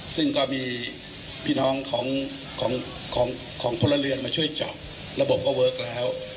ซึ่งก็มีพี่น้องของพลเรือนมาช่วยเจาะระบบก็เวิร์คแล้ว